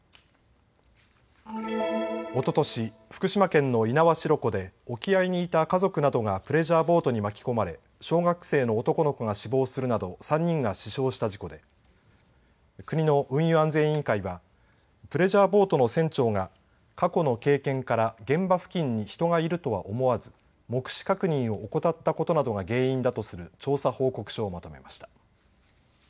おととし福島県の猪苗代湖で沖合にいた家族などがプレジャーボートに巻き込まれ小学生の男の子が死亡するなど３人が死傷した事故で国の運輸安全委員会はプレジャーボートの船長が過去の経験から現場付近に人がいるとは思わず目視確認を怠ったことなどが原因だとする調査報告書をまとめました。